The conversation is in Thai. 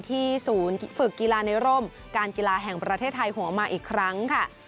ศูนย์ฝึกกีฬาในร่มการกีฬาแห่งประเทศไทยหัวมาอีกครั้งค่ะ